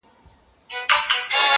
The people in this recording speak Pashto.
نجلۍ د سخت درد سره مخ کيږي او چيغي وهي,